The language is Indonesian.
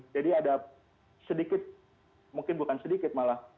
jadi ada sedikit mungkin bukan sedikit malah